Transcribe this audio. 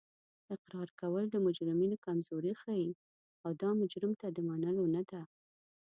اقرار کول د مجرمینو کمزوري ښیي او دا مجرم ته د منلو نه ده